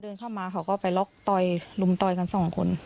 เดินเข้ามาเขาก็ไปล็อกต่อยลุมต่อยกันสองคน